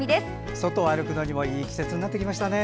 外を歩くのにもいい季節になってきましたね。